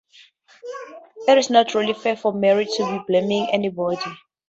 It's not really fair for Mary to be blaming anybody.